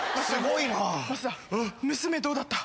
すごいな。